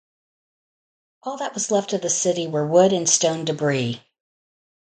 All that was left of the city were "wood and stone debris".